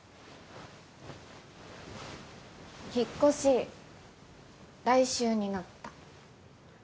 引っ越し来週になった。